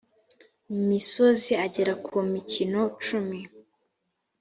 misozi agera ku mikono cumi